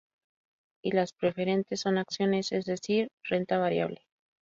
Y las preferentes son acciones, es decir, renta variable.